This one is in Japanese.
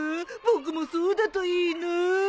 僕もそうだといいな。